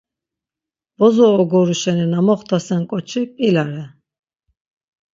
Bozo ogoru şeni na moxtasen ǩoçi p̌ilare.